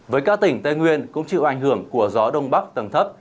với các tỉnh tây nguyên cũng chịu ảnh hưởng của gió đông bắc tầng thấp